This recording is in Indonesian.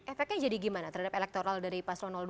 efeknya jadi gimana terhadap elektoral dari pasro dua puluh lima